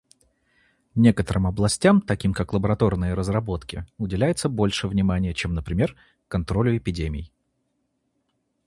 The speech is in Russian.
Некоторым областям, таким как лабораторные разработки, уделяется больше внимания, чем, например, контролю эпидемий.